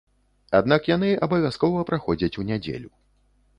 Аднак яны абавязкова праходзяць у нядзелю.